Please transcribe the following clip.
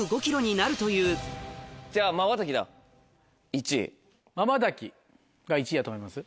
近年のまばたきが１位やと思います？